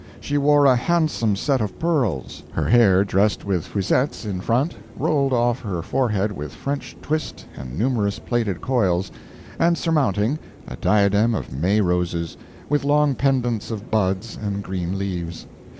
She wore a handsome set of pearls, her hair dressed with fusettes in front, rolled off her forehead with French twist and numerous plaited coils, and, surmounting, a diadem of May roses, with long pendants of buds and green leaves.